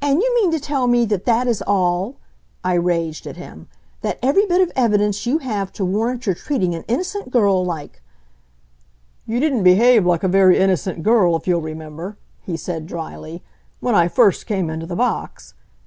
"And you mean to tell me that this is all?" I raged at him; "that every bit of evidence you have to warrant your treating an innocent girl like " "You didn't behave like a very innocent girl, if you'll remember," he said dryly, "when I first came into the box.